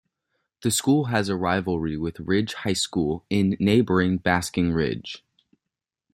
The school has a rivalry with Ridge High School in neighboring Basking Ridge.